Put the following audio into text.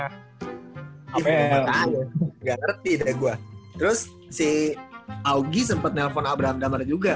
terus si augie sempet nelfon abraham damar juga kan